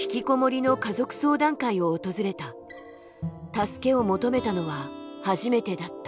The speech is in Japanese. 助けを求めたのは初めてだった。